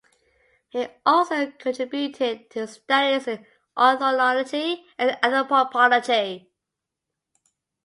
He also contributed to studies in ornithology and anthropology.